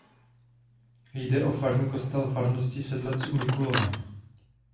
Jde o farní kostel farnosti Sedlec u Mikulova.